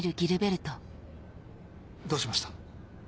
どうしました？